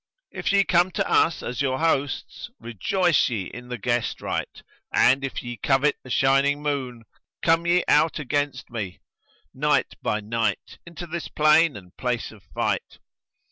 If ye come to us as your hosts, rejoice ye in the guest rite; and, if ye covet the shining moon, come ye out against me, knight by knight, into this plain and place of fight."